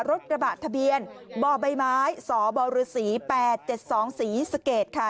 รถกระบะทะเบียนบ่อใบไม้สบฤษ๘๗๒ศรีสเกตค่ะ